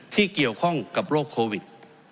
ที่เกี่ยวข้องกับโรคโควิด